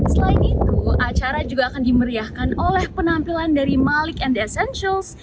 selain itu acara juga akan dimeriahkan oleh penampilan dari malik and the essentials